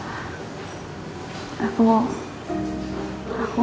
tidak bukan saya